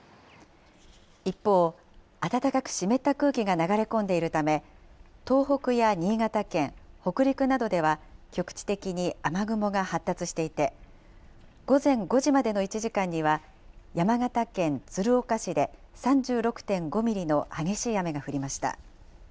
一方、暖かく湿った空気が流れ込んでいるため、東北や新潟県、北陸などでは、局地的に雨雲が発達していて、午前５時までの１時間には、山形県鶴岡市で３６．５ミリの激しい雨が降りました。